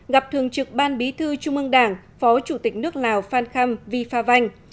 gặp thường trực ban bí thư trung ương đảng phó chủ tịch nước lào phan khâm vi pha vanh